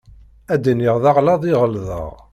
Ad d-iniɣ d aɣlaḍ i ɣelḍeɣ.